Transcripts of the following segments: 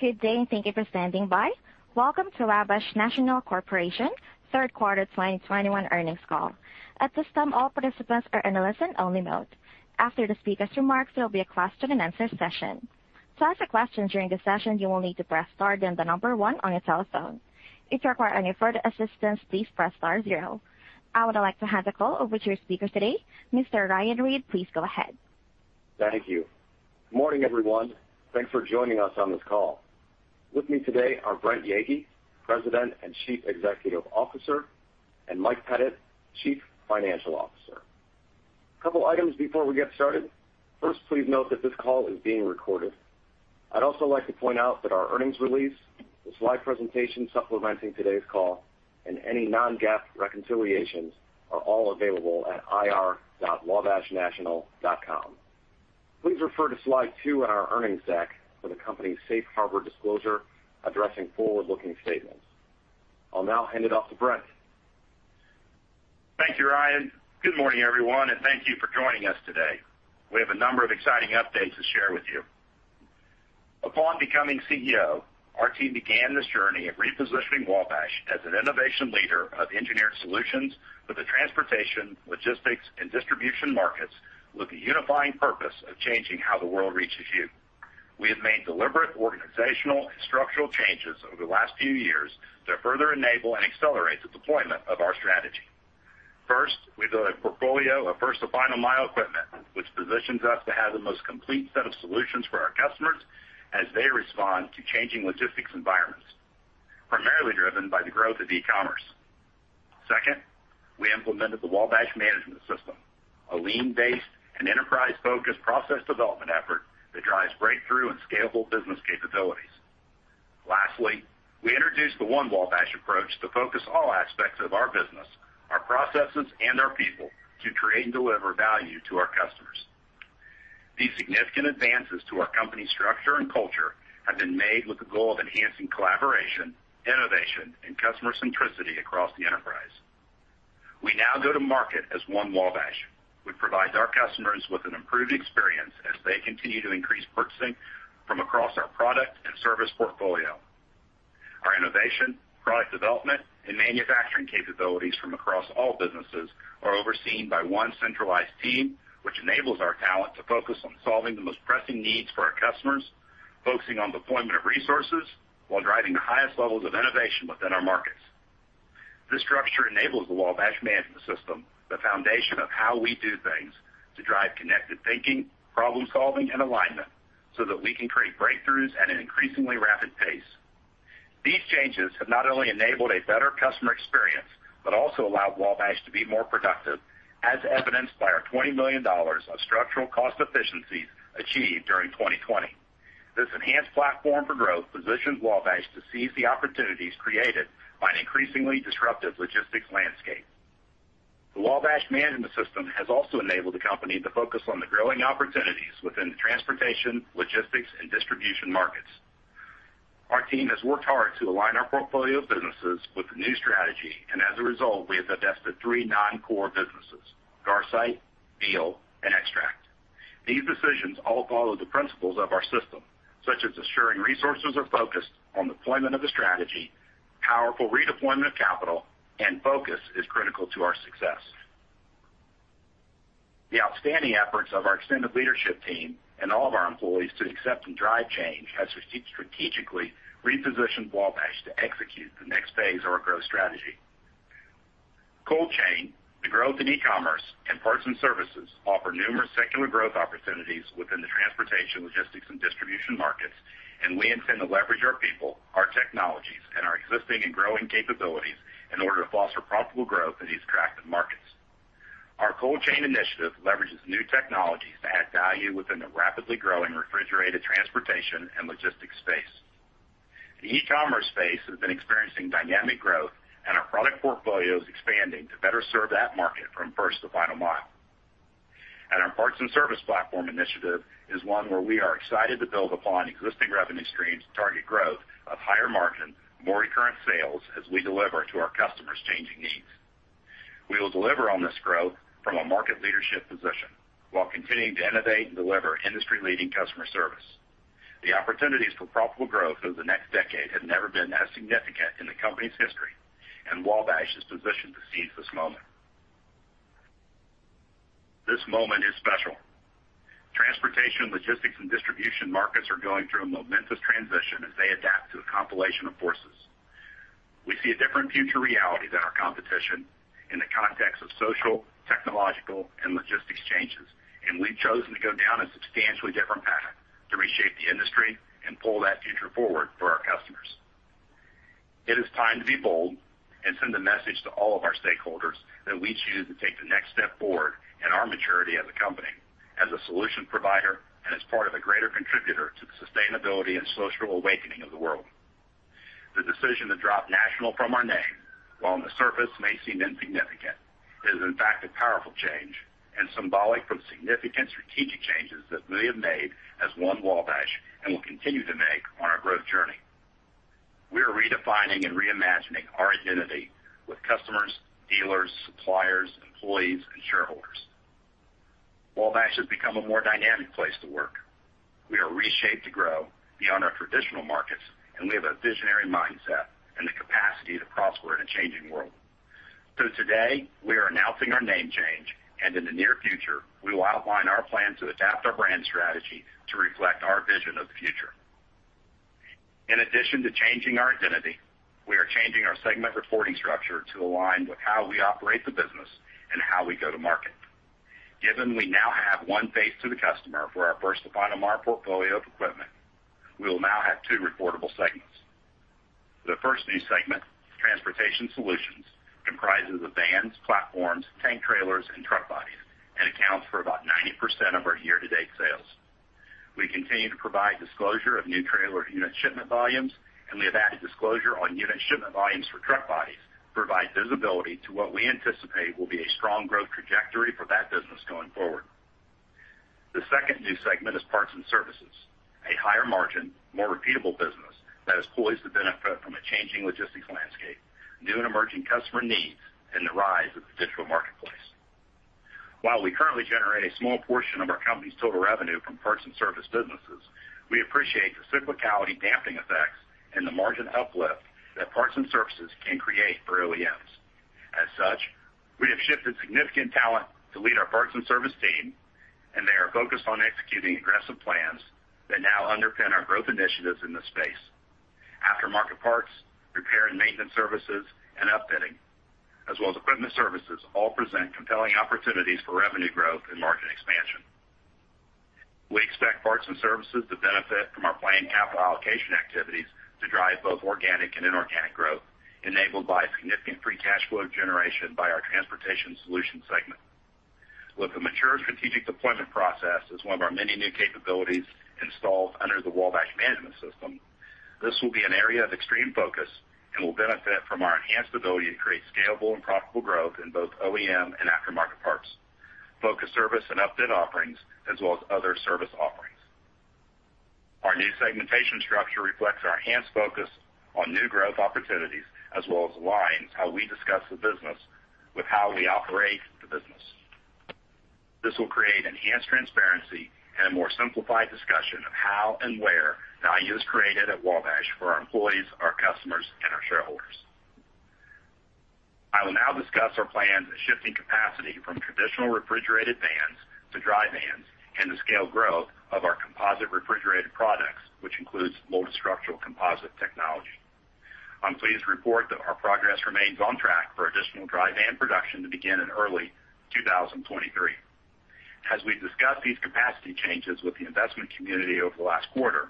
Good day, and thank you for standing by. Welcome to Wabash National Corporation Third Quarter 2021 Earnings Call. At this time, all participants are in a listen-only mode. After the speakers' remarks, there'll be a question-and-answer session. To ask a question during the session, you will need to press star then the one on your telephone. If you require any further assistance, please press star zero. I would like to hand the call over to your speaker today, Mr. Ryan Reed. Please go ahead. Thank you. Good morning, everyone. Thanks for joining us on this call. With me today are Brent Yeagy, President and Chief Executive Officer, and Mike Pettit, Chief Financial Officer. Couple items before we get started. First, please note that this call is being recorded. I'd also like to point out that our earnings release, the slide presentation supplementing today's call, and any non-GAAP reconciliations are all available at ir.wabashnational.com. Please refer to slide 2 in our earnings deck for the company's safe harbor disclosure addressing forward-looking statements. I'll now hand it off to Brent. Thank you, Ryan. Good morning, everyone, and thank you for joining us today. We have a number of exciting updates to share with you. Upon becoming CEO, our team began this journey of repositioning Wabash as an innovation leader of engineered solutions for the transportation, logistics, and distribution markets with the unifying purpose of changing how the world reaches you. We have made deliberate organizational and structural changes over the last few years to further enable and accelerate the deployment of our strategy. First, we built a portfolio of First to Final Mile equipment, which positions us to have the most complete set of solutions for our customers as they respond to changing logistics environments, primarily driven by the growth of e-commerce. Second, we implemented the Wabash Management System, a lean-based and enterprise-focused process development effort that drives breakthrough and scalable business capabilities. Lastly, we introduced the One Wabash approach to focus all aspects of our business, our processes, and our people to create and deliver value to our customers. These significant advances to our company's structure and culture have been made with the goal of enhancing collaboration, innovation, and customer centricity across the enterprise. We now go to market as One Wabash, which provides our customers with an improved experience as they continue to increase purchasing from across our product and service portfolio. Our innovation, product development, and manufacturing capabilities from across all businesses are overseen by one centralized team, which enables our talent to focus on solving the most pressing needs for our customers, focusing on deployment of resources while driving the highest levels of innovation within our markets. This structure enables the Wabash Management System, the foundation of how we do things, to drive connected thinking, problem-solving, and alignment so that we can create breakthroughs at an increasingly rapid pace. These changes have not only enabled a better customer experience, but also allow Wabash to be more productive, as evidenced by our $20 million of structural cost efficiencies achieved during 2020. This enhanced platform for growth positions Wabash to seize the opportunities created by an increasingly disruptive logistics landscape. The Wabash Management System has also enabled the company to focus on the growing opportunities within the transportation, logistics, and distribution markets. Our team has worked hard to align our portfolio of businesses with the new strategy, and as a result, we have divested three non-core businesses, Garsite, Beall, and Extract Technology. These decisions all follow the principles of our system, such as ensuring resources are focused on deployment of the strategy, powerful redeployment of capital, and focus is critical to our success. The outstanding efforts of our extended leadership team and all of our employees to accept and drive change has strategically repositioned Wabash to execute the next phase of our growth strategy. Cold chain, the growth in e-commerce, and Parts & Services offer numerous secular growth opportunities within the transportation, logistics, and distribution markets, and we intend to leverage our people, our technologies, and our existing and growing capabilities in order to foster profitable growth in these attractive markets. Our cold chain initiative leverages new technologies to add value within the rapidly growing refrigerated transportation and logistics space. The e-commerce space has been experiencing dynamic growth, and our product portfolio is expanding to better serve that market from First to Final Mile. Our Parts & Services platform initiative is one where we are excited to build upon existing revenue streams to target growth of higher margin, more recurrent sales as we deliver to our customers' changing needs. We will deliver on this growth from a market leadership position while continuing to innovate and deliver industry-leading customer service. The opportunities for profitable growth over the next decade have never been as significant in the company's history, and Wabash is positioned to seize this moment. This moment is special. Transportation, logistics, and distribution markets are going through a momentous transition as they adapt to the combination of forces. We see a different future reality than our competition in the context of social, technological, and logistics changes, and we've chosen to go down a substantially different path to reshape the industry and pull that future forward for our customers. It is time to be bold and send a message to all of our stakeholders that we choose to take the next step forward in our maturity as a company, as a solution provider, and as part of a greater contributor to the sustainability and social awakening of the world. The decision to drop National from our name, while on the surface may seem insignificant, is in fact a powerful change and symbolic of significant strategic changes that we have made as One Wabash and will continue to make on our growth journey, signifying and reimagining our identity with customers, dealers, suppliers, employees, and shareholders. Wabash has become a more dynamic place to work. We are reshaped to grow beyond our traditional markets, and we have a visionary mindset and the capacity to prosper in a changing world. Today, we are announcing our name change, and in the near future, we will outline our plan to adapt our brand strategy to reflect our vision of the future. In addition to changing our identity, we are changing our segment reporting structure to align with how we operate the business and how we go to market. Given we now have one face to the customer for our first-to-final-mile portfolio of equipment, we will now have two reportable segments. The first new segment, Transportation Solutions, comprises of vans, platforms, tank trailers, and truck bodies, and accounts for about 90% of our year-to-date sales. We continue to provide disclosure of new trailer unit shipment volumes, and we have added disclosure on unit shipment volumes for truck bodies to provide visibility to what we anticipate will be a strong growth trajectory for that business going forward. The second new segment is Parts & Services, a higher margin, more repeatable business that is poised to benefit from a changing logistics landscape, new and emerging customer needs, and the rise of the digital marketplace. While we currently generate a small portion of our company's total revenue from Parts & Service businesses, we appreciate the cyclicality damping effects and the margin uplift that Parts & Services can create for OEMs. As such, we have shifted significant talent to lead our Parts & Service team, and they are focused on executing aggressive plans that now underpin our growth initiatives in this space. Aftermarket parts, repair and maintenance services, and upfitting, as well as equipment services all present compelling opportunities for revenue growth and margin expansion. We expect Parts & Services to benefit from our planned capital allocation activities to drive both organic and inorganic growth enabled by significant free cash flow generation by our Transportation Solutions segment. With the mature strategic deployment process as one of our many new capabilities installed under the Wabash Management System, this will be an area of extreme focus and will benefit from our enhanced ability to create scalable and profitable growth in both OEM and aftermarket parts, focused service and upfit offerings as well as other service offerings. Our new segmentation structure reflects our enhanced focus on new growth opportunities as well as aligns how we discuss the business with how we operate the business. This will create enhanced transparency and a more simplified discussion of how and where value is created at Wabash for our employees, our customers, and our shareholders. I will now discuss our plans of shifting capacity from traditional refrigerated vans to dry vans and the scale growth of our composite refrigerated products, which includes Molded Structural Composite technology. I'm pleased to report that our progress remains on track for additional dry van production to begin in early 2023. As we've discussed these capacity changes with the investment community over the last quarter,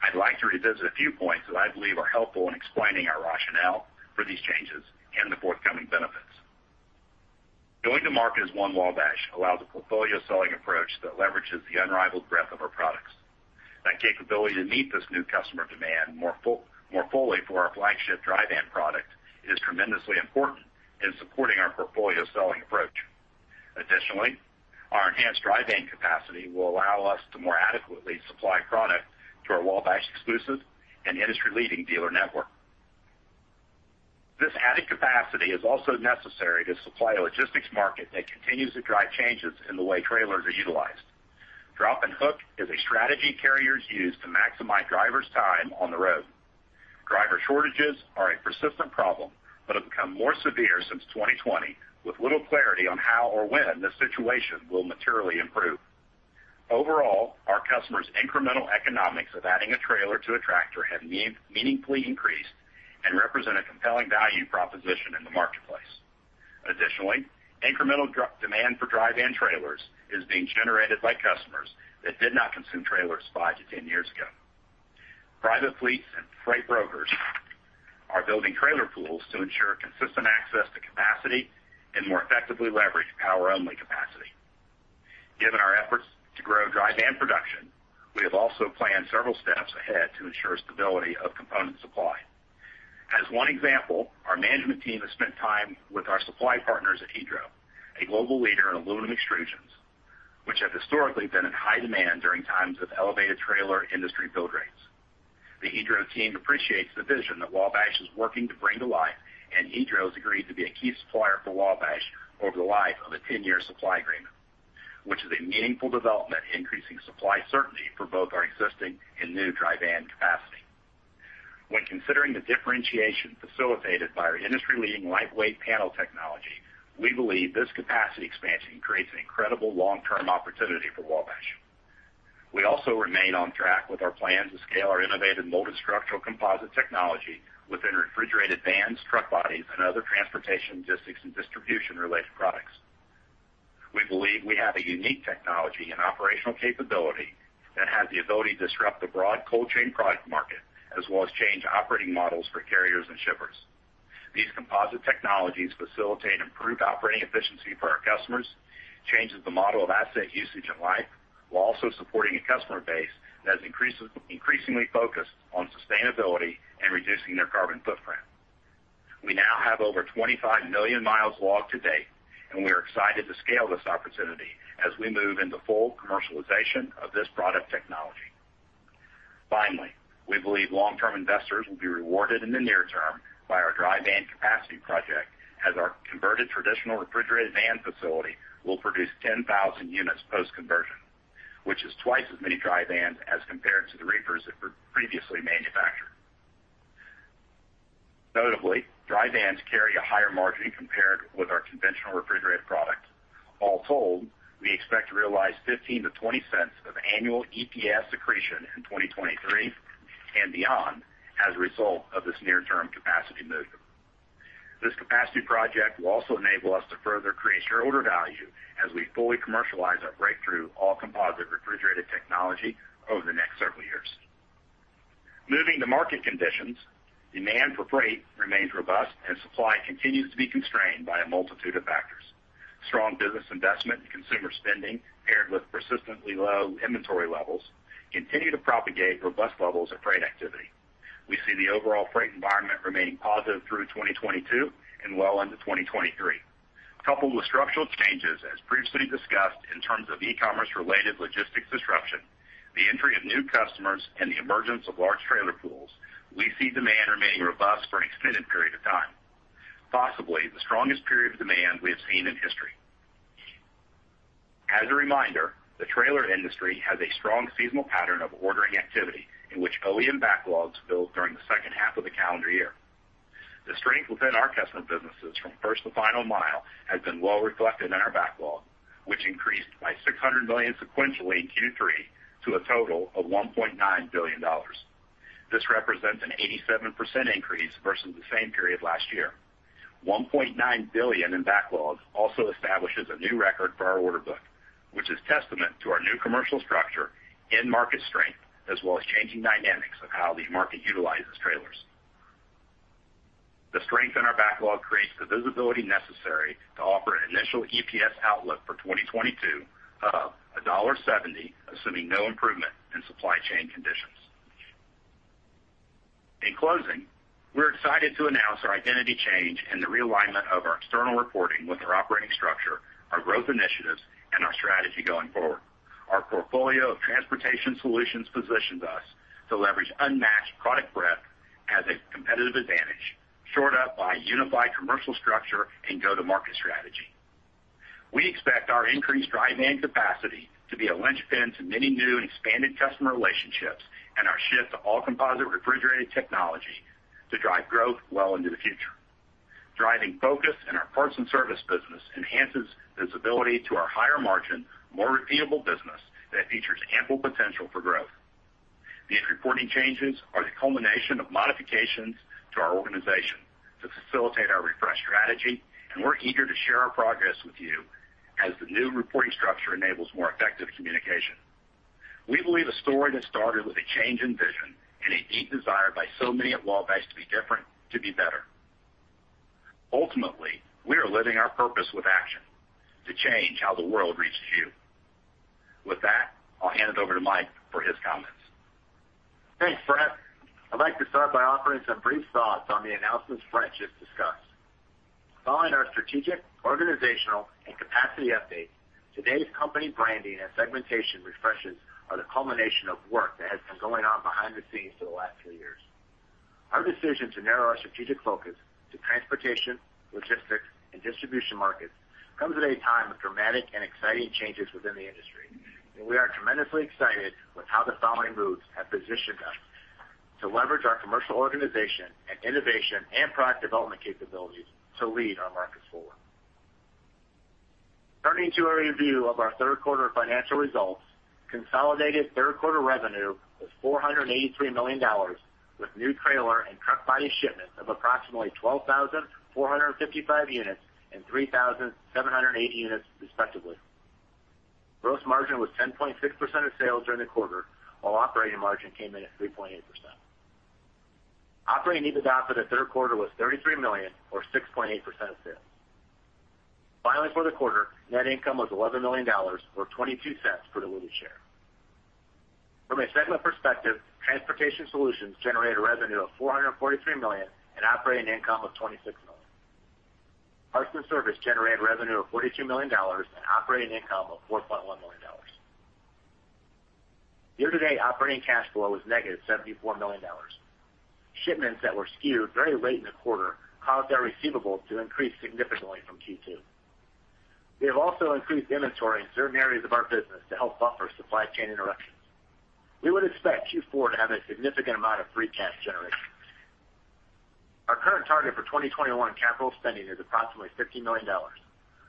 I'd like to revisit a few points that I believe are helpful in explaining our rationale for these changes and the forthcoming benefits. Going to market as One Wabash allows a portfolio selling approach that leverages the unrivaled breadth of our products. That capability to meet this new customer demand more fully for our flagship dry van product is tremendously important in supporting our portfolio selling approach. Additionally, our enhanced dry van capacity will allow us to more adequately supply product to our Wabash exclusive and industry-leading dealer network. This added capacity is also necessary to supply a logistics market that continues to drive changes in the way trailers are utilized. Drop and hook is a strategy carriers use to maximize drivers' time on the road. Driver shortages are a persistent problem, but have become more severe since 2020, with little clarity on how or when the situation will materially improve. Overall, our customers' incremental economics of adding a trailer to a tractor have meaningfully increased and represent a compelling value proposition in the marketplace. Additionally, incremental demand for dry van trailers is being generated by customers that did not consume trailers 5-10 years ago. Private fleets and freight brokers are building trailer pools to ensure consistent access to capacity and more effectively leverage power-only capacity. Given our efforts to grow dry van production, we have also planned several steps ahead to ensure stability of component supply. As one example, our management team has spent time with our supply partners at Hydro, a global leader in aluminum extrusions, which have historically been in high demand during times of elevated trailer industry build rates. The Hydro team appreciates the vision that Wabash is working to bring to life, and Hydro has agreed to be a key supplier for Wabash over the life of a 10-year supply agreement, which is a meaningful development increasing supply certainty for both our existing and new dry van capacity. When considering the differentiation facilitated by our industry-leading lightweight panel technology, we believe this capacity expansion creates an incredible long-term opportunity for Wabash. We also remain on track with our plan to scale our innovative Molded Structural Composite technology within refrigerated vans, truck bodies, and other transportation, logistics, and distribution-related products. We believe we have a unique technology and operational capability that has the ability to disrupt the broad cold chain product market as well as change operating models for carriers and shippers. These composite technologies facilitate improved operating efficiency for our customers, changes the model of asset usage and life, while also supporting a customer base that is increasingly focused on sustainability and reducing their carbon. We now have over 25 million miles logged to date, and we are excited to scale this opportunity as we move into full commercialization of this product technology. Finally, we believe long-term investors will be rewarded in the near term by our dry van capacity project as our converted traditional refrigerated van facility will produce 10,000 units post-conversion, which is twice as many dry vans as compared to the reefers that were previously manufactured. Notably, dry vans carry a higher margin compared with our conventional refrigerated product. All told, we expect to realize $0.15-$0.20 of annual EPS accretion in 2023 and beyond as a result of this near-term capacity move. This capacity project will also enable us to further create shareholder value as we fully commercialize our breakthrough all-composite refrigerated technology over the next several years. Moving to market conditions, demand for freight remains robust, and supply continues to be constrained by a multitude of factors. Strong business investment and consumer spending, paired with persistently low inventory levels, continue to propagate robust levels of freight activity. We see the overall freight environment remaining positive through 2022 and well into 2023. Coupled with structural changes, as previously discussed in terms of e-commerce related logistics disruption, the entry of new customers, and the emergence of large trailer pools, we see demand remaining robust for an extended period of time, possibly the strongest period of demand we have seen in history. As a reminder, the trailer industry has a strong seasonal pattern of ordering activity in which OEM backlogs build during the second half of the calendar year. The strength within our customer businesses from First to Final Mile has been well reflected in our backlog, which increased by $600 million sequentially in Q3 to a total of $1.9 billion. This represents an 87% increase versus the same period last year. $1.9 billion in backlog also establishes a new record for our order book, which is testament to our new commercial structure, end market strength, as well as changing dynamics of how the market utilizes trailers. The strength in our backlog creates the visibility necessary to offer an initial EPS outlook for 2022 of $1.70, assuming no improvement in supply chain conditions. In closing, we're excited to announce our identity change and the realignment of our external reporting with our operating structure, our growth initiatives, and our strategy going forward. Our portfolio of Transportation Solutions positions us to leverage unmatched product breadth as a competitive advantage, shored up by unified commercial structure and go-to-market strategy. We expect our increased dry van capacity to be a linchpin to many new and expanded customer relationships, and our shift to all-composite refrigerated technology to drive growth well into the future. Driving focus in our Parts & Services business enhances visibility to our higher margin, more repeatable business that features ample potential for growth. These reporting changes are the culmination of modifications to our organization to facilitate our refreshed strategy, and we're eager to share our progress with you as the new reporting structure enables more effective communication. We believe a story that started with a change in vision and a deep desire by so many at Wabash to be different, to be better. Ultimately, we are living our purpose with action to change how the world reaches you. With that, I'll hand it over to Mike for his comments. Thanks, Brent. I'd like to start by offering some brief thoughts on the announcements Brent just discussed. Following our strategic, organizational, and capacity updates, today's company branding and segmentation refreshes are the culmination of work that has been going on behind the scenes for the last few years. Our decision to narrow our strategic focus to transportation, logistics, and distribution markets comes at a time of dramatic and exciting changes within the industry. We are tremendously excited with how the following moves have positioned us to leverage our commercial organization and innovation and product development capabilities to lead our markets forward. Turning to a review of our third quarter financial results, consolidated third quarter revenue was $483 million, with new trailer and truck body shipments of approximately 12,455 units and 3,708 units, respectively. Gross margin was 10.6% of sales during the quarter, while operating margin came in at 3.8%. Operating EBITDA for the third quarter was $33 million or 6.8% of sales. Finally, for the quarter, net income was $11 million or $0.22 per diluted share. From a segment perspective, Transportation Solutions generated revenue of $443 million and operating income of $26 million. Parts & Services generated revenue of $42 million and operating income of $4.1 million. Year-to-date operating cash flow was -$74 million. Shipments that were skewed very late in the quarter caused our receivables to increase significantly from Q2. We have also increased inventory in certain areas of our business to help buffer supply chain interruptions. We would expect Q4 to have a significant amount of free cash generation. Our current target for 2021 capital spending is approximately $50 million,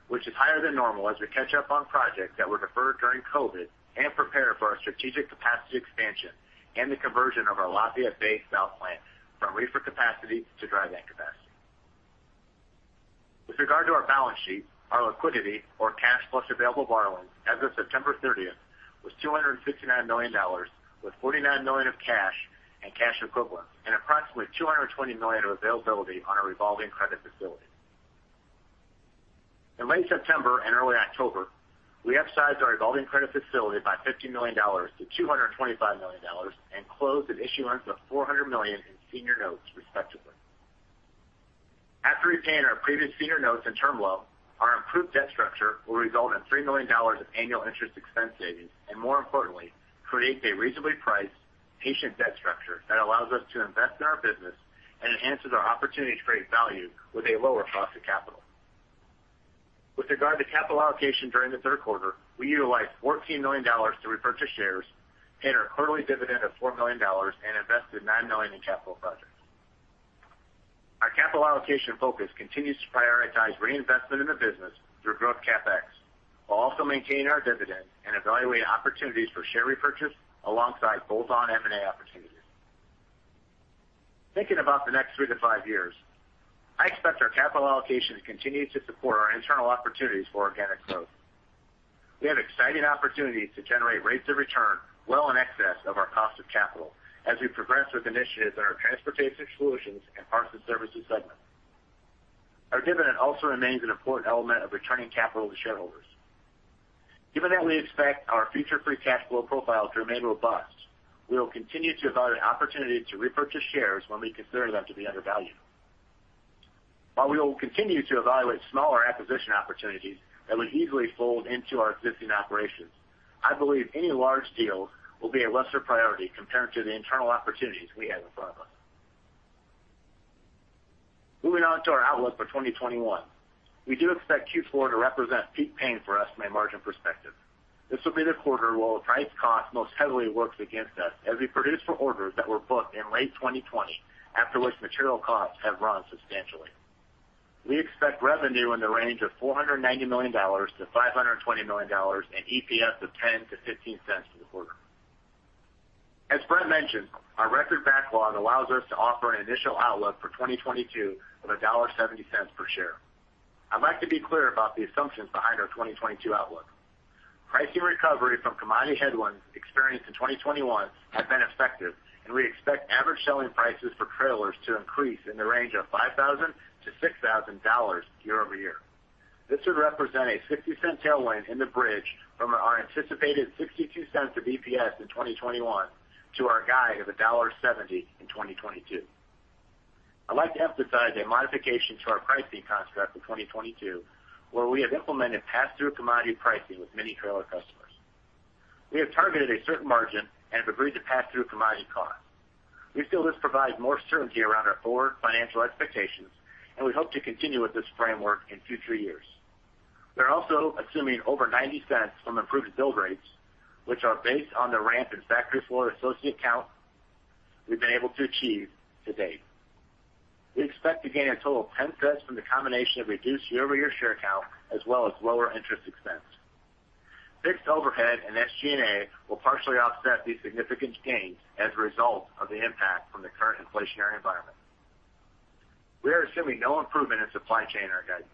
which is higher than normal as we catch up on projects that were deferred during COVID and prepare for our strategic capacity expansion and the conversion of our Lafayette South Plant from reefer capacity to dry van capacity. With regard to our balance sheet, our liquidity or cash plus available borrowings as of September 30 was $259 million, with $49 million of cash and cash equivalents and approximately $220 million of availability on our revolving credit facility. In late September and early October, we upsized our revolving credit facility by $50 million-$225 million and closed an issuance of $400 million in senior notes, respectively. After repaying our previous senior notes and term loan, our improved debt structure will result in $3 million of annual interest expense savings, and more importantly, create a reasonably priced patient debt structure that allows us to invest in our business and enhances our opportunity to create value with a lower cost of capital. With regard to capital allocation during the third quarter, we utilized $14 million to repurchase shares, paid our quarterly dividend of $4 million, and invested $9 million in capital projects. Our capital allocation focus continues to prioritize reinvestment in the business through growth CapEx, while also maintaining our dividend and evaluating opportunities for share repurchase alongside bolt-on M&A opportunities. Thinking about the next 3-5 years, I expect our capital allocations continue to support our internal opportunities for organic growth. We have exciting opportunities to generate rates of return well in excess of our cost of capital as we progress with initiatives in our Transportation Solutions and Parts & Services segment. Our dividend also remains an important element of returning capital to shareholders. Given that we expect our future free cash flow profile to remain robust, we will continue to evaluate opportunity to repurchase shares when we consider them to be undervalued. While we will continue to evaluate smaller acquisition opportunities that would easily fold into our existing operations, I believe any large deal will be a lesser priority compared to the internal opportunities we have in front of us. Moving on to our outlook for 2021. We do expect Q4 to represent peak pain for us from a margin perspective. This will be the quarter where price cost most heavily works against us as we produce for orders that were booked in late 2020, after which material costs have run substantially. We expect revenue in the range of $490 million-$520 million and EPS of $0.10-$0.15 for the quarter. As Brent mentioned, our record backlog allows us to offer an initial outlook for 2022 of $1.70 per share. I'd like to be clear about the assumptions behind our 2022 outlook. Pricing recovery from commodity headwinds experienced in 2021 have been effective, and we expect average selling prices for trailers to increase in the range of $5,000-$6,000 year over year. This would represent a $0.60 tailwind in the bridge from our anticipated $0.62 of EPS in 2021 to our guide of $1.70 in 2022. I'd like to emphasize a modification to our pricing construct in 2022, where we have implemented pass-through commodity pricing with many trailer customers. We have targeted a certain margin and have agreed to pass through commodity costs. We feel this provides more certainty around our forward financial expectations, and we hope to continue with this framework in future years. We're also assuming over $0.90 from improved bill rates, which are based on the ramp in factory floor associate count we've been able to achieve to date. We expect to gain a total of $0.10 from the combination of reduced year-over-year share count as well as lower interest expense. Fixed overhead and SG&A will partially offset these significant gains as a result of the impact from the current inflationary environment. We are assuming no improvement in supply chain in our guidance.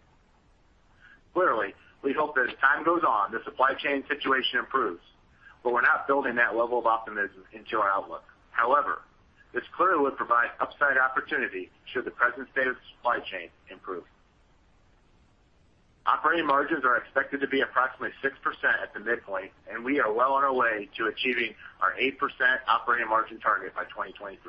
Clearly, we hope that as time goes on, the supply chain situation improves, but we're not building that level of optimism into our outlook. However, this clearly would provide upside opportunity should the present state of the supply chain improve. Operating margins are expected to be approximately 6% at the midpoint, and we are well on our way to achieving our 8% operating margin target by 2023.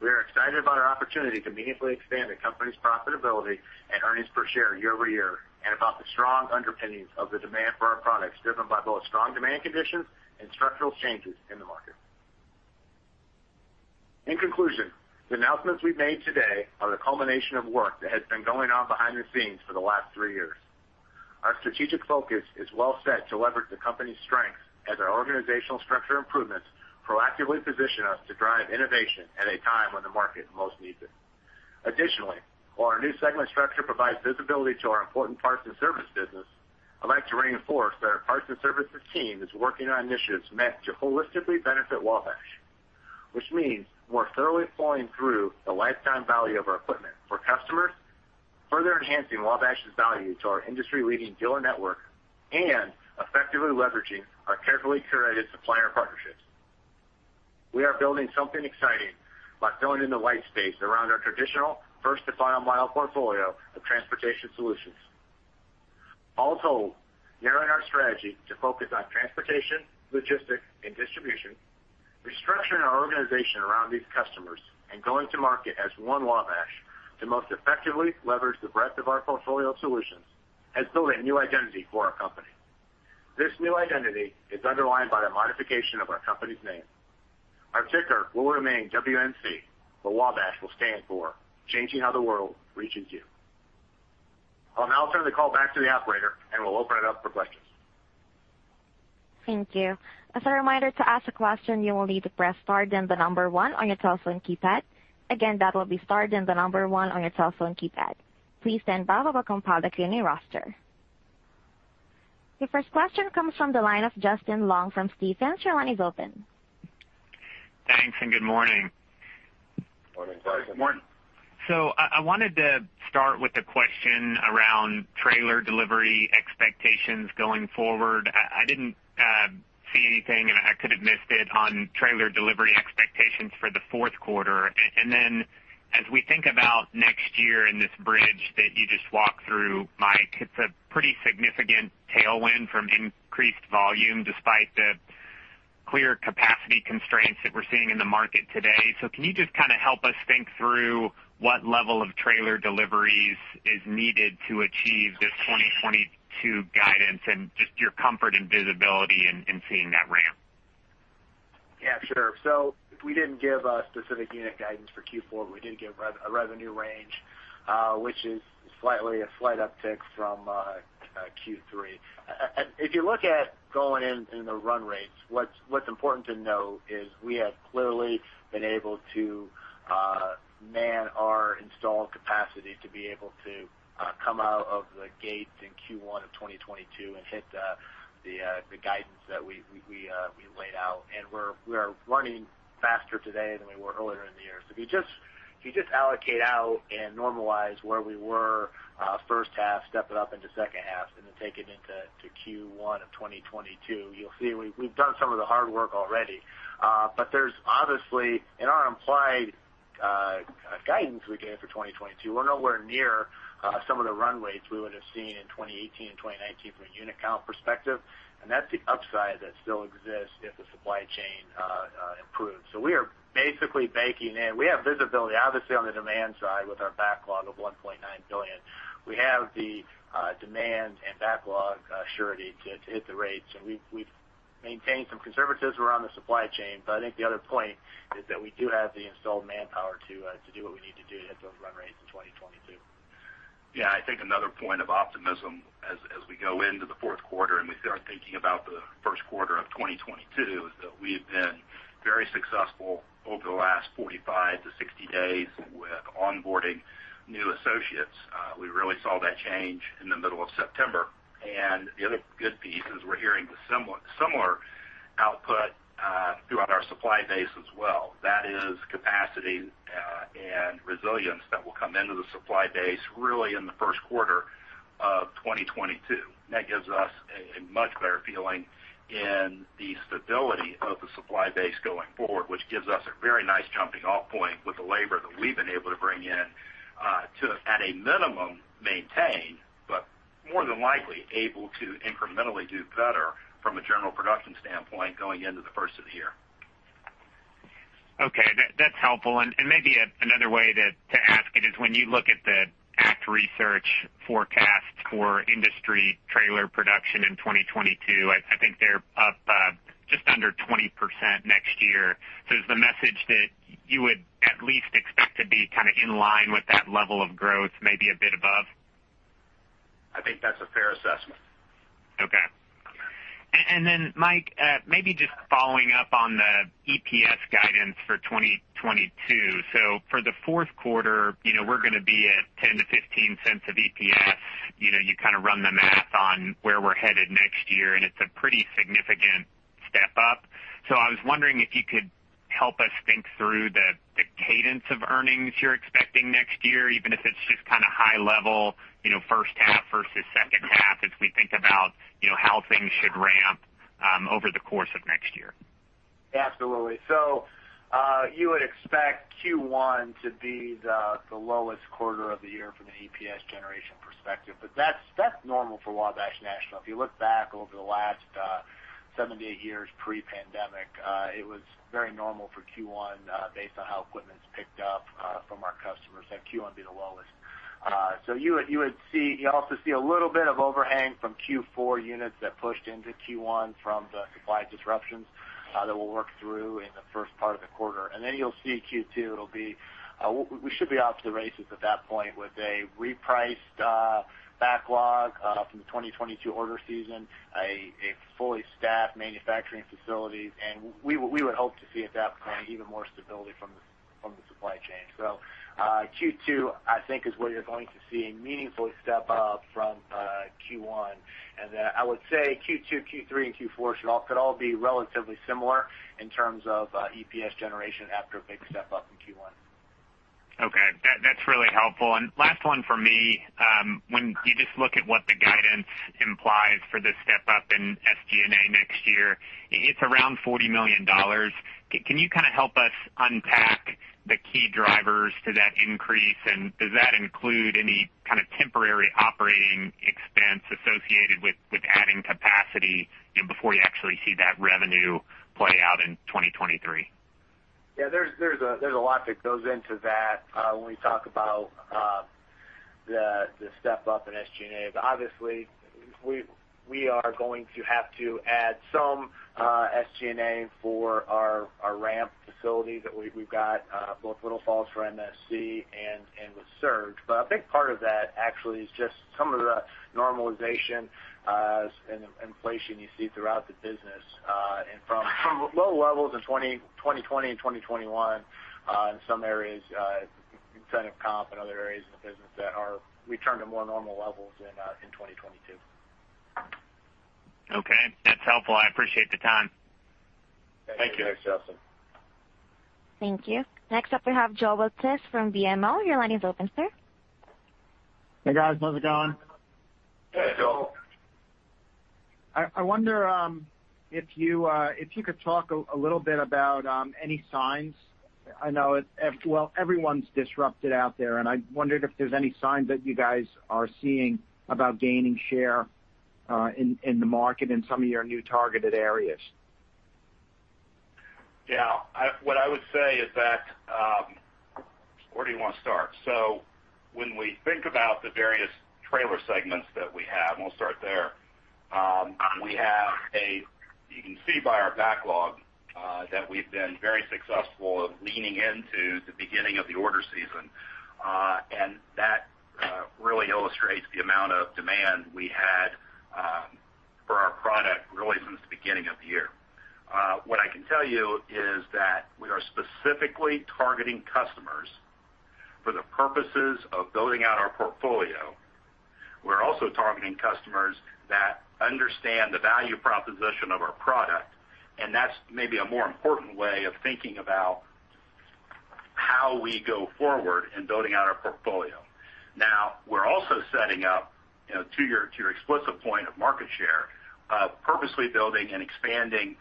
We are excited about our opportunity to meaningfully expand the company's profitability and earnings per share year over year, and about the strong underpinnings of the demand for our products, driven by both strong demand conditions and structural changes in the market. In conclusion, the announcements we've made today are the culmination of work that has been going on behind the scenes for the last three years. Our strategic focus is well set to leverage the company's strengths as our organizational structure improvements proactively position us to drive innovation at a time when the market most needs it. Additionally, while our new segment structure provides visibility to our important Parts & Services business, I'd like to reinforce that our Parts & Services team is working on initiatives meant to holistically benefit Wabash, which means more thoroughly flowing through the lifetime value of our equipment for customers, further enhancing Wabash's value to our industry-leading dealer network, and effectively leveraging our carefully curated supplier partnerships. We are building something exciting by filling in the white space around our traditional First to Final Mile portfolio of Transportation Solutions. Narrowing our strategy to focus on transportation, logistics, and distribution, restructuring our organization around these customers, and going to market as One Wabash to most effectively leverage the breadth of our portfolio of solutions has built a new identity for our company. This new identity is underlined by the modification of our company's name. Our ticker will remain WNC, but Wabash will stand for changing how the world reaches you. I'll now turn the call back to the operator, and we'll open it up for questions. Thank you. As a reminder, to ask a question, you will need to press star then the number 1 on your telephone keypad. Again, that will be star then the number 1 on your telephone keypad. Please stand by while we compile the queuing roster. Your first question comes from the line of Justin Long from Stephens. Your line is open. Thanks, and good morning. Morning. I wanted to start with a question around trailer delivery expectations going forward. I didn't, I could have missed it on trailer delivery expectations for the fourth quarter. And then as we think about next year and this bridge that you just walked through, Mike, it's a pretty significant tailwind from increased volume despite the clear capacity constraints that we're seeing in the market today. Can you just kind of help us think through what level of trailer deliveries is needed to achieve this 2022 guidance and just your comfort and visibility in seeing that ramp? Yeah, sure. We didn't give a specific unit guidance for Q4. We did give revenue range, which is a slight uptick from Q3. If you look at going in the run rates, what's important to note is we have clearly been able to man our installed capacity to be able to come out of the gate in Q1 of 2022 and hit the guidance that we laid out. We're running faster today than we were earlier in the year. If you just allocate out and normalize where we were first half, step it up into second half, and then take it into Q1 of 2022, you'll see we've done some of the hard work already. There's obviously in our implied guidance we gave for 2022, we're nowhere near some of the run rates we would have seen in 2018 and 2019 from a unit count perspective, and that's the upside that still exists if the supply chain improves. We are basically baking in. We have visibility, obviously, on the demand side with our backlog of $1.9 billion. We have the demand and backlog surety to hit the rates. We've maintained some conservatism around the supply chain. I think the other point is that we do have the installed manpower to do what we need to do to hit those run rates in 2022. Yeah. I think another point of optimism as we go into the fourth quarter, and we start thinking about the first quarter of 2022, is that we have been very successful over the last 45-60 days with onboarding new associates. We really saw that change in the middle of September. The other good piece is we're hearing the somewhat similar output throughout our supply base as well. That is capacity and resilience that will come into the supply base really in the first quarter of 2022. That gives us a much better feeling in the stability of the supply base going forward, which gives us a very nice jumping off point with the labor that we've been able to bring in, to at a minimum maintain, but more than likely able to incrementally do better from a general production standpoint going into the first of the year. Okay. That's helpful. Maybe another way to ask it is when you look at the ACT Research forecasts for industry trailer production in 2022, I think they're up just under 20% next year. Is the message that you would at least expect to be kind of in line with that level of growth, maybe a bit above? I think that's a fair assessment. Okay. Then, Mike, maybe just following up on the EPS guidance for 2022. For the fourth quarter, you know, we're gonna be at $0.10-$0.15 of EPS. You know, you kind of run the math on where we're headed next year, and it's a pretty significant step up. I was wondering if you could help us think through the cadence of earnings you're expecting next year, even if it's just kind of high level, you know, first half versus second half as we think about, you know, how things should ramp over the course of next year. Absolutely. You would expect Q1 to be the lowest quarter of the year from an EPS generation perspective, but that's normal for Wabash National. If you look back over the last 7-8 years pre-pandemic, it was very normal for Q1 based on how equipment's picked up from our customers have Q1 be the lowest. You also see a little bit of overhang from Q4 units that pushed into Q1 from the supply disruptions that we'll work through in the first part of the quarter. You'll see Q2, it'll be we should be off to the races at that point with a repriced backlog from the 2022 order season, a fully staffed manufacturing facility. We would hope to see at that point even more stability from the supply chain. Q2, I think, is where you're going to see a meaningful step up from Q1. I would say Q2, Q3, and Q4 could all be relatively similar in terms of EPS generation after a big step up in Q1. That's really helpful. Last one for me. When you just look at what the guidance implies for the step up in SG&A next year, it's around $40 million. Can you kind of help us unpack the key drivers to that increase? Does that include any kind of temporary operating expense associated with adding capacity, you know, before you actually see that revenue play out in 2023? Yeah. There's a lot that goes into that when we talk about the step up in SG&A. Obviously, we are going to have to add some SG&A for our ramp facility that we've got both Little Falls for MSC and with Surge. I think part of that actually is just some of the normalization and inflation you see throughout the business and from low levels in 2020 and 2021 in some areas, incentive comp and other areas of the business that are returning to more normal levels in 2022. Okay, that's helpful. I appreciate the time. Thank you. Thanks, Justin. Thank you. Next up we have Joel Tiss from BMO. Your line is open, sir. Hey guys, how's it going? Hey, Joel. I wonder if you could talk a little bit about any signs. Well, everyone's disrupted out there, and I wondered if there's any signs that you guys are seeing about gaining share in the market in some of your new targeted areas. What I would say is that, where do you wanna start? When we think about the various trailer segments that we have, and we'll start there, we have. You can see by our backlog that we've been very successful of leaning into the beginning of the order season. And that really illustrates the amount of demand we had for our product really since the beginning of the year. What I can tell you is that we are specifically targeting customers for the purposes of building out our portfolio. We're also targeting customers that understand the value proposition of our product, and that's maybe a more important way of thinking about how we go forward in building out our portfolio. Now, we're also setting up, you know, to your explicit point of market share, purposely building and expanding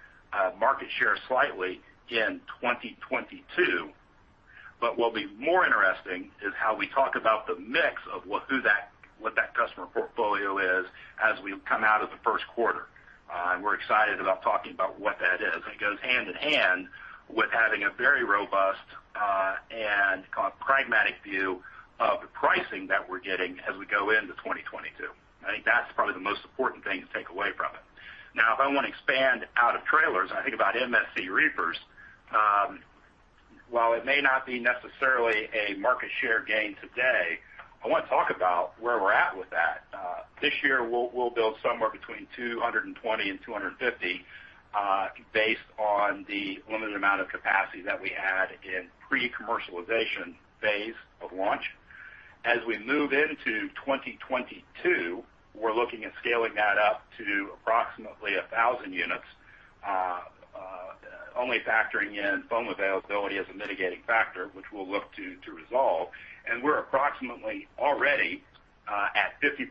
market share slightly in 2022. But what'll be more interesting is how we talk about the mix of what that customer portfolio is as we come out of the first quarter. We're excited about talking about what that is. It goes hand in hand with having a very robust, and call it pragmatic view of the pricing that we're getting as we go into 2022. I think that's probably the most important thing to take away from it. Now, if I wanna expand out of trailers and I think about MSC reefers, while it may not be necessarily a market share gain today, I wanna talk about where we're at with that. This year, we'll build somewhere between 220 and 250 based on the limited amount of capacity that we had in pre-commercialization phase of launch. As we move into 2022, we're looking at scaling that up to approximately 1,000 units only factoring in foam availability as a mitigating factor, which we'll look to resolve. We're approximately already at 50%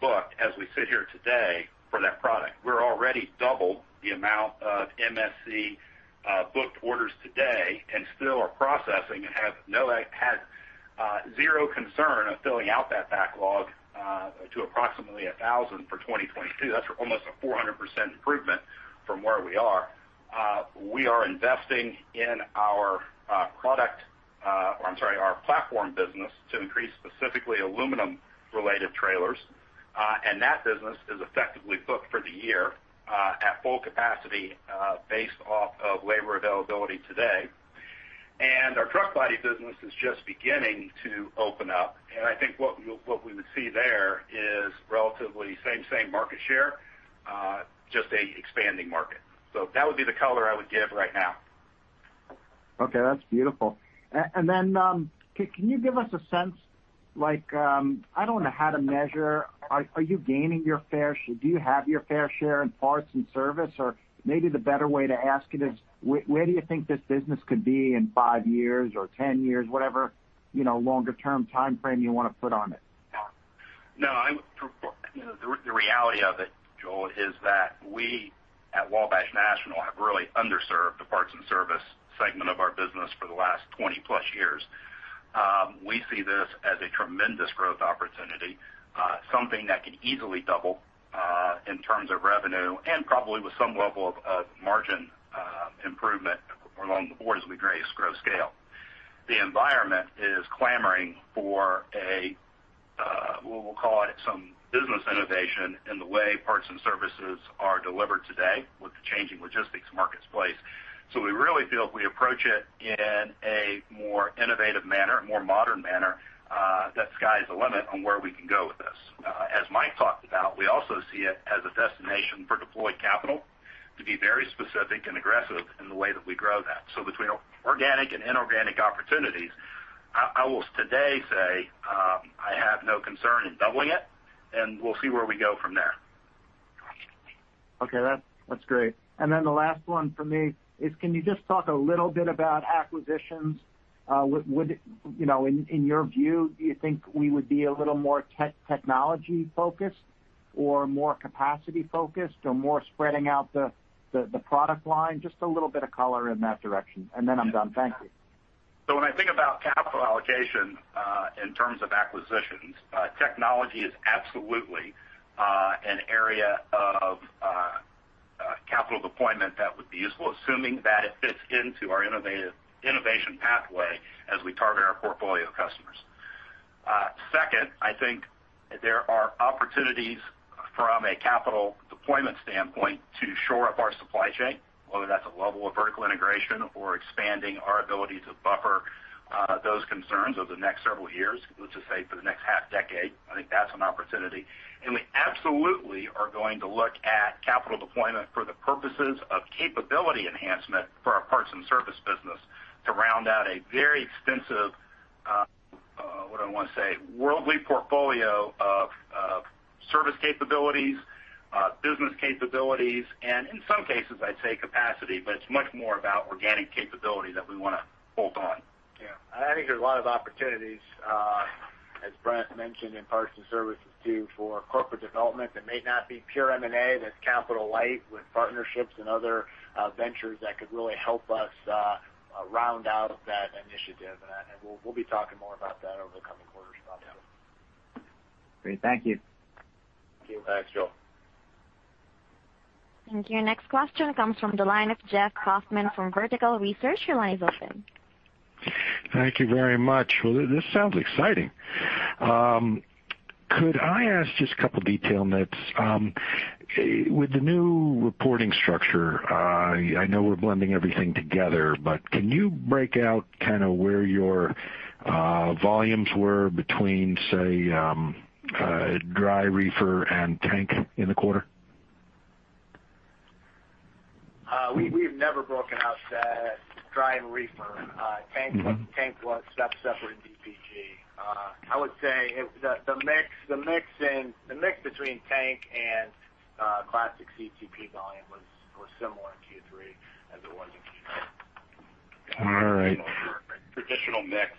booked as we sit here today for that product. We're already double the amount of MSC booked orders today and still are processing and had zero concern of filling out that backlog to approximately 1,000 for 2022. That's almost a 400% improvement from where we are. We are investing in our platform business to increase specifically aluminum related trailers. That business is effectively booked for the year at full capacity based off of labor availability today. Our truck body business is just beginning to open up, and I think what we would see there is relatively same market share just a expanding market. That would be the color I would give right now. Okay, that's beautiful. And then, can you give us a sense like, I don't know how to measure. Do you have your fair share in Parts & Services? Or maybe the better way to ask it is where do you think this business could be in 5 years or 10 years, whatever, you know, longer term timeframe you wanna put on it? No. You know, the reality of it, Joel, is that we at Wabash National have really underserved the Parts & Services segment of our business for the last 20+ years. We see this as a tremendous growth opportunity, something that could easily double in terms of revenue and probably with some level of margin improvement across the board as we grow and scale. The environment is clamoring for a we'll call it some business innovation in the way Parts & Services are delivered today with the changing logistics marketplace. We really feel if we approach it in a more innovative manner, more modern manner, that sky's the limit on where we can go with this. As Mike talked about, we also see it as a destination for deployed capital to be very specific and aggressive in the way that we grow that. Between organic and inorganic opportunities, I will today say, I have no concern in doubling it, and we'll see where we go from there. Okay. That's great. The last one for me is, can you just talk a little bit about acquisitions? Would you know, in your view, do you think we would be a little more technology focused or more capacity focused or more spreading out the product line? Just a little bit of color in that direction, and then I'm done. Thank you. When I think about capital allocation, in terms of acquisitions, technology is absolutely, an area of, capital deployment that would be useful, assuming that it fits into our innovation pathway as we target our portfolio of customers. Second, I think there are opportunities from a capital deployment standpoint to shore up our supply chain, whether that's a level of vertical integration or expanding our ability to buffer, those concerns over the next several years, let's just say for the next half decade, I think that's an opportunity. We absolutely are going to look at capital deployment for the purposes of capability enhancement for our Parts & Service business to round out a very extensive, what do I wanna say, worldly portfolio. Service capabilities, business capabilities, and in some cases, I'd say capacity, but it's much more about organic capability that we wanna hold on. Yeah. I think there's a lot of opportunities, as Brent mentioned, in Parts & Services too, for corporate development that may not be pure M&A, that's capital light with partnerships and other ventures that could really help us round out that initiative. We'll be talking more about that over the coming quarters, no doubt. Great. Thank you. Thank you. Thanks, Joel. Thank you. Next question comes from the line of Jeff Kauffman from Vertical Research. Your line is open. Thank you very much. Well, this sounds exciting. Could I ask just a couple detail notes? With the new reporting structure, I know we're blending everything together, but can you break out kinda where your volumes were between, say, dry reefer and tank in the quarter? We've never broken out dry and reefer. Tank- Mm-hmm. Tank was separate DPG. I would say the mix between tank and classic CTP volume was similar in Q3 as it was in Q2. All right. Traditional mix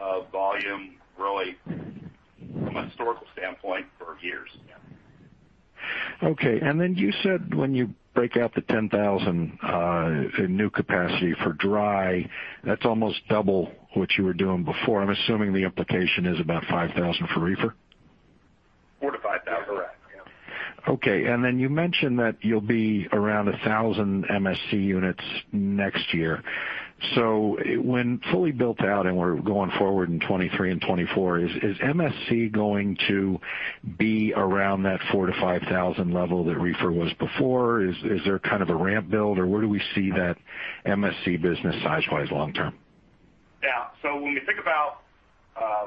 of volume, really from a historical standpoint for years. Yeah. Okay. You said when you break out the 10,000 in new capacity for dry, that's almost double what you were doing before. I'm assuming the implication is about 5,000 for reefer. 4,000-5,000, correct. Yeah. Okay. Then you mentioned that you'll be around 1,000 MSC units next year. When fully built out, and we're going forward in 2023 and 2024, is MSC going to be around that 4,000-5,000 level that reefer was before? Is there kind of a ramp build, or where do we see that MSC business size-wise long term? When we think about,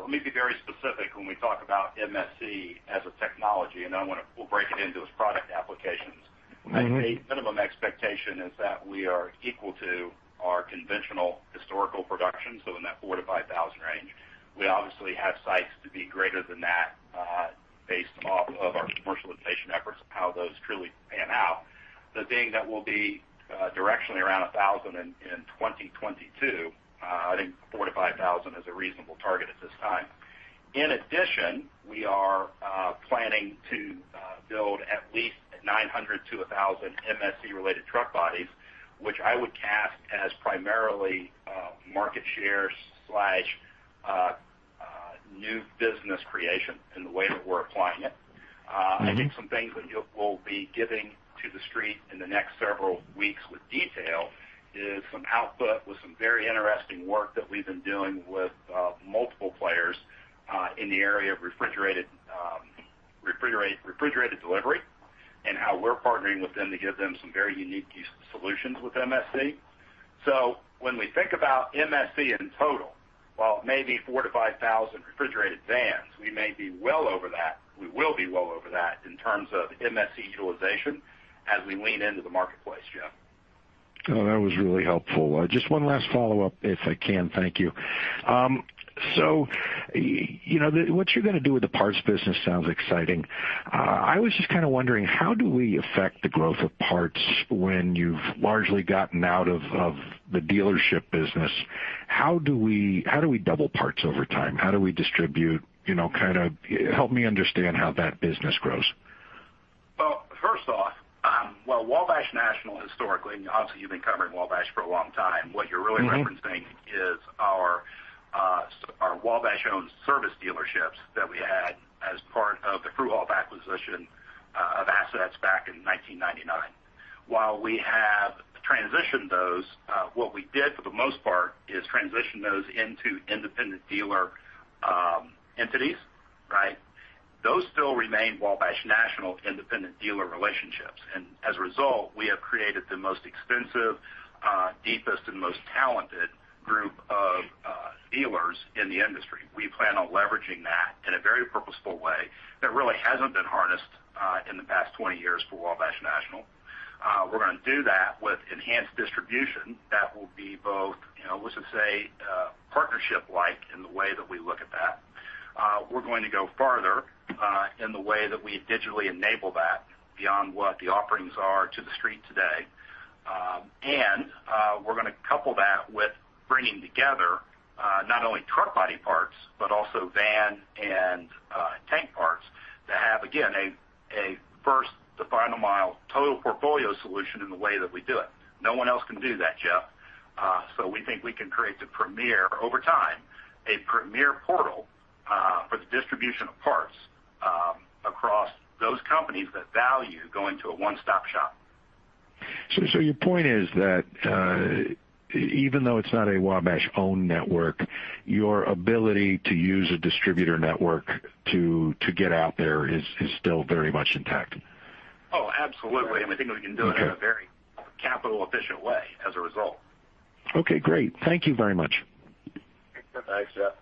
let me be very specific when we talk about MSC as a technology, and then we'll break it into its product applications. Mm-hmm. I'd say minimum expectation is that we are equal to our conventional historical production, so in that 4,000-5,000 range. We obviously have sights to be greater than that, based off of our commercialization efforts of how those truly pan out. The thing that will be directionally around 1,000 in 2022, I think 4,000-5,000 is a reasonable target at this time. In addition, we are planning to build at least 900-1,000 MSC-related truck bodies, which I would cast as primarily market share slash new business creation in the way that we're applying it. I think some things that we'll be giving to the street in the next several weeks with detail is some output with some very interesting work that we've been doing with multiple players in the area of refrigerated delivery, and how we're partnering with them to give them some very unique solutions with MSC. When we think about MSC in total, while it may be 4,000-5,000 refrigerated vans, we may be well over that. We will be well over that in terms of MSC utilization as we lean into the marketplace, Jeff. Oh, that was really helpful. Just one last follow-up if I can. Thank you. You know, what you're gonna do with the parts business sounds exciting. I was just kinda wondering, how do we affect the growth of parts when you've largely gotten out of the dealership business? How do we double parts over time? How do we distribute? You know, kinda help me understand how that business grows. Well, first off, while Wabash National historically, and obviously you've been covering Wabash for a long time, what you're really Mm-hmm. Referencing is our our Wabash-owned service dealerships that we had as part of the TrueHaul acquisition of assets back in 1999. While we have transitioned those, what we did for the most part is transition those into independent dealer entities, right? Those still remain Wabash National independent dealer relationships. As a result, we have created the most extensive, deepest, and most talented group of dealers in the industry. We plan on leveraging that in a very purposeful way that really hasn't been harnessed in the past 20 years for Wabash National. We're gonna do that with enhanced distribution that will be both, you know, let's just say, partnership-like in the way that we look at that. We're going to go farther in the way that we digitally enable that beyond what the offerings are to the street today. We're gonna couple that with bringing together not only truck body parts, but also van and tank parts to have, again, a First to Final Mile total portfolio solution in the way that we do it. No one else can do that, Jeff. We think we can create the premier, over time, a premier portal for the distribution of parts across those companies that value going to a one-stop shop. Your point is that, even though it's not a Wabash-owned network, your ability to use a distributor network to get out there is still very much intact. Oh, absolutely. We think we can do it in a very capital efficient way as a result. Okay, great. Thank you very much. Thanks, Jeff.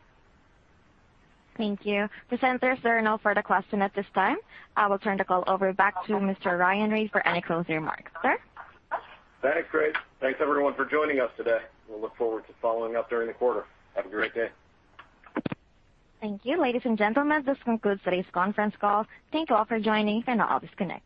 Thank you. Presenters, there are no further question at this time. I will turn the call over back to Mr. Ryan Reed for any closing remarks. Sir? Thanks, Grace. Thanks everyone for joining us today. We'll look forward to following up during the quarter. Have a great day. Thank you. Ladies and gentlemen, this concludes today's conference call. Thank you all for joining. You may now disconnect.